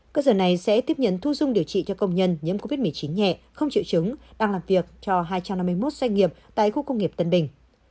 cơ sở này sẽ tiếp nhận thu dung điều trị cho công nhân nhiễm covid một mươi chín nhẹ không chịu chứng đang làm việc cho hai trăm năm mươi một doanh nghiệp tại khu công nghiệp tân bình